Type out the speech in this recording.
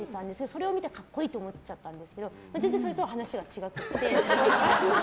それを見て、格好いいと思っちゃったんですけど全然それとは話が違くて。